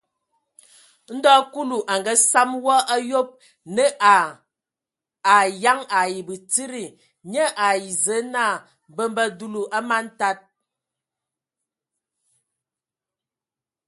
Ndɔ Kulu a ngasam wɔ a yob, nə a ayan ai batsidi, nye ai Zǝə naa: mbembe dulu, a man tad.